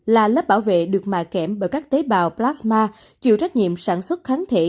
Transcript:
là lớp bảo vệ được mà kém bởi các tế bào plasma chịu trách nhiệm sản xuất kháng thể